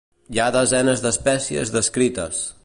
Hi ha desenes d'espècies descrites.